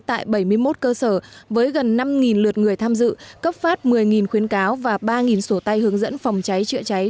tại bảy mươi một cơ sở với gần năm lượt người tham dự cấp phát một mươi khuyến cáo và ba sổ tay hướng dẫn phòng cháy chữa cháy